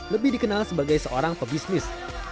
lebih dikenal sebagai seorang pebisnis